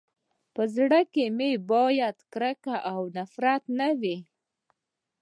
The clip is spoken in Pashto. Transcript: په زړه کي باید کرکه او نفرت نه وي.